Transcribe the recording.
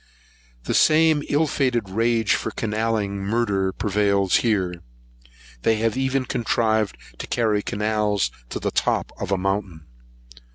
The same ill fated rage for canalling murder prevails here. They have even contrived to carry canals to the top of a mountain.